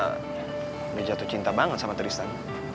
sudah jatuh cinta banget sama tristan